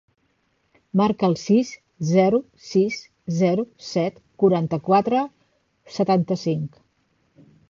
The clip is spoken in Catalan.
Marca el sis, zero, sis, zero, set, quaranta-quatre, setanta-cinc.